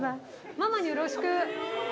ママによろしく。